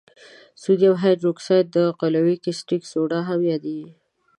سودیم هایدروکساید قلوي کاستیک سوډا هم یادیږي.